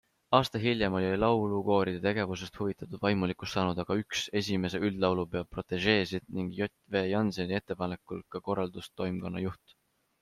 Aasta hiljem oli laulukooride tegevusest huvitatud vaimulikust saanud aga üks I üldlaulupeo protežeesid ning J. V. Jannseni ettepanekul ka korraldustoimkonna juht.